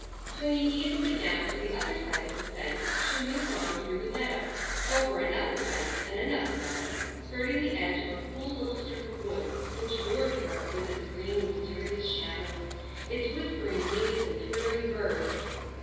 Swinging easily down to the other side of the fence she moved on through the meadow, over another fence, and another meadow, skirting the edge of a cool little strip of woods which lured her with its green mysterious shadows, its whispering leaves, and twittering birds.